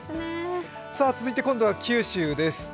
続いて今度は九州です。